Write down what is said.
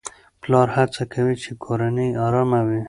پلار هڅه کوي چې کورنۍ يې آرامه وي.